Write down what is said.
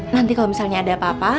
nanti kalau misalnya ada apa apa